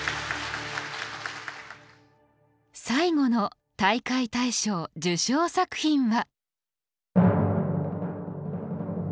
最後の大会大賞受賞作品は。